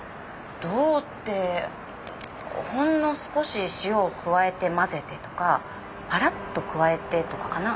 どうって「ほんの少し塩を加えて混ぜて」とか「パラッと加えて」とかかな。